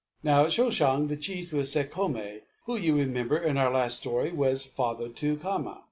Now, at Shoshong the chief was Sekhome, who, you remember, in our last story, was father to Khama.